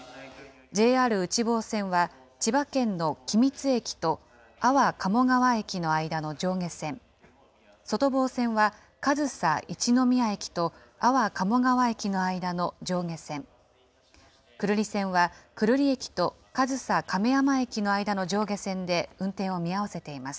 ＪＲ内房線は、千葉県の君津駅と安房鴨川駅の間の上下線、外房線は、上総一ノ宮駅と安房鴨川駅の間の上下線、久留里線は、久留里駅と上総亀山駅の間の上下線で運転を見合わせています。